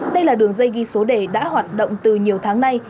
đây là đường dây ghi số đề đã hoạt động từ nhiều tháng nay